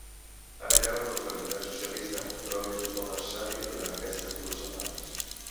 Ara cal que el candidat socialista trobi el suport necessari durant aquestes dues setmanes.